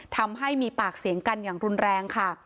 ทำให้มีปากเสียงกันอย่างรุนแรงค่ะ